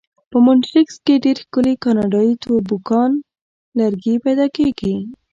په مونټریکس کې ډېر ښکلي کاناډایي توبوګان لرګي پیدا کېږي.